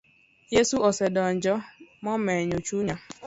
Yesu osedonjo momenyo chunya